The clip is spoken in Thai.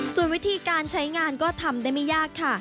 ส่วนวิธีการใช้งานก็ทำได้ไม่ยากค่ะ